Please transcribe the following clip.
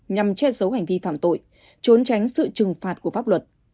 nhằm che giấu hành vi phạm tội trốn tránh sự trừng phạt của pháp luật